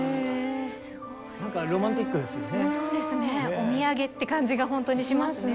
お土産って感じがほんとにしますね。